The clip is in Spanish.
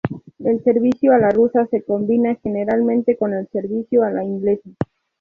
El servicio a la rusa se combina generalmente con el servicio a la inglesa.